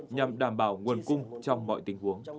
nhằm đảm bảo nguồn cung trong mọi tình huống